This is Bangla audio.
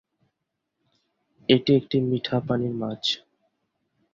এটি একটি মিঠা পানির মাছ।